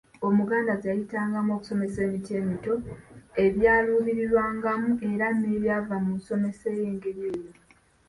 Omuganda ze yayitangamu okusomesa emiti emito, ebyaluubirirwangamu era n’ebyava mu nsomesa ey’engeri eyo.